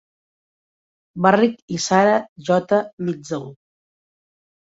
Barrick i Sarah J. Mitzel.